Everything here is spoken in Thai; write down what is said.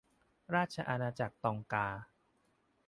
ราชอาณาจักรตองกา